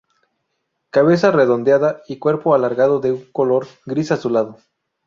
Cabeza redondeada y cuerpo alargado, de un color gris azulado.